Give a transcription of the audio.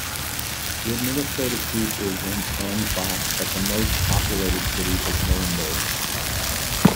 The administrative seat is Ansbach but the most populated city is Nuremberg.